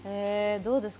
どうですか？